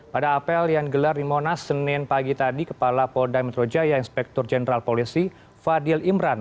pada apel yang gelar di monas senin pagi tadi kepala polda metro jaya inspektur jenderal polisi fadil imran